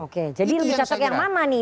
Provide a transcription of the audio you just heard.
oke jadi lebih cocok yang mana nih